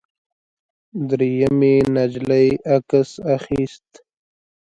درېیمې نجلۍ عکس اخیست.